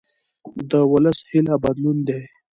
د ولس هیله بدلون دی